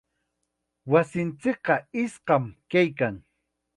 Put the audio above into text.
Wasinchikqa iskam kaykan.